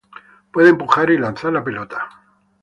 Puede empujar y lanzar la pelota.